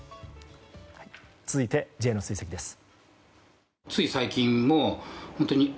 続いてＪの追跡です。